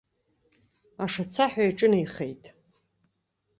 Ашацаҳәа иҿынеихеит.